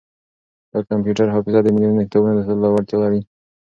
دا کمپیوټري حافظه د ملیونونو کتابونو د ساتلو وړتیا لري.